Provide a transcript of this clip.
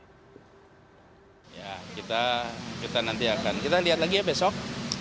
ya kita nanti akan kita lihat lagi ya besok